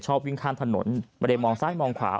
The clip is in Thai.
วิ่งข้ามถนนไม่ได้มองซ้ายมองขวา